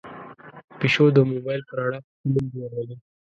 پيشو د موبايل په رڼا پسې منډې وهلې.